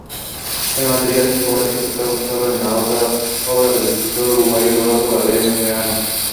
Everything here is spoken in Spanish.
El material discográfico está basado en la obra del escritor uruguayo "Eduardo Galeano".